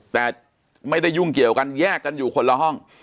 แต่ไม่ได้ยุ่งเกี่ยวกันแยกกันอยู่คนละห้อง